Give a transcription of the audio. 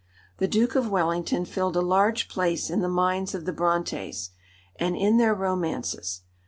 The Duke of Wellington filled a large place in the minds of the Brontës, and in their romances.